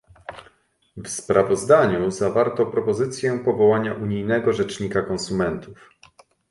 W sprawozdaniu zawarto propozycję powołania unijnego rzecznika konsumentów